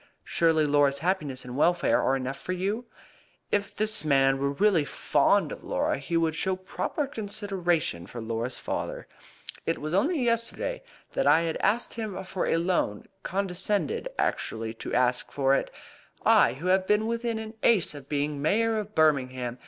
Surely Laura's happiness and welfare are enough for you?" "If this man were really fond of Laura he would show proper consideration for Laura's father. It was only yesterday that I asked him for a loan condescended actually to ask for it I, who have been within an ace of being Mayor of Birmingham!